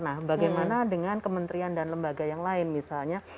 nah bagaimana dengan kementerian dan lembaga yang lain misalnya